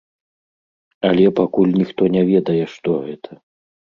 Але пакуль ніхто не ведае, што гэта.